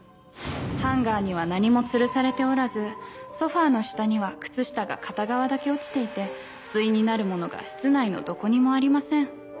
ハンガーには何もつるされておらずソファの下には靴下が片側だけ落ちていて対になるものが室内のどこにもありません。